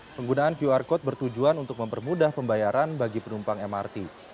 penggunaan qr code bertujuan untuk mempermudah pembayaran bagi penumpang mrt